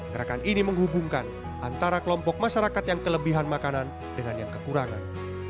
gerakan ini menghubungkan antara kelompok masyarakat yang kelebihan makanan dengan yang kekurangan